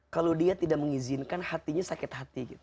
kalau dia tidak mengizinkan hatinya sakit hati gitu